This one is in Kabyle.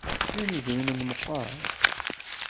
Lan idrimen meqqar?